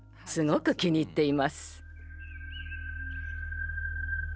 すごく気に入っています。